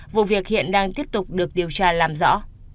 vụ việc hiện đang tiếp tục được điều tra làm rõ